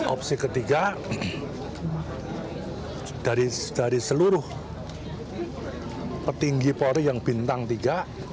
opsi ketiga dari seluruh petinggi polri yang bintang tiga